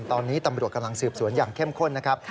ตอนนี้ตำรวจกำลังสืบสวนอย่างเข้มข้นนะครับ